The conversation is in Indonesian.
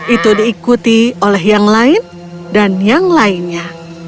itu diikuti oleh yang lain dan yang lainnya